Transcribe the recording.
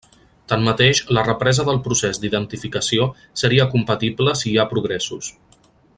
Tanmateix la represa del procés d'identificació seria compatible si hi ha progressos.